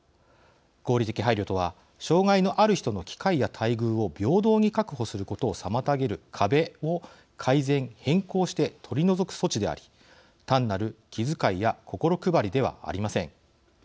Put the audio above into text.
合理的配慮とは障害のある人の機会や待遇を平等に確保をすることを妨げる壁を「改善」「変更」して取り除く措置であり単なる気遣いや心配りではありません。